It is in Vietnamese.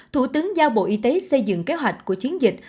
thủ tướng giao bộ y tế xây dựng kế hoạch của chiến dịch